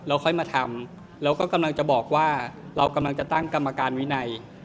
ค่อยมาทำเราก็กำลังจะบอกว่าเรากำลังจะตั้งกรรมการวินัย